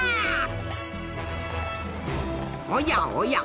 おやおや。